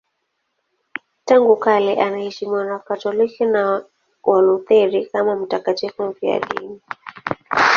Tangu kale anaheshimiwa na Wakatoliki na Walutheri kama mtakatifu mfiadini.